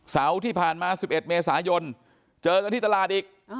เสาร์ที่ผ่านมา๑๑เมษายนเจอกันที่ตลาดอีก